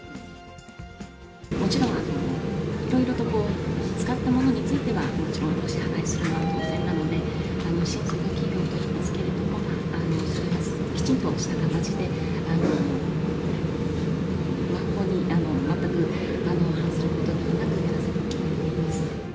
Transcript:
もちろんいろいろと使ったものについては、もちろんお支払いするのは当然なので、親族企業と言いますけれども、それはきちんとした形で、法に全く反することではなく、やらせていただいています。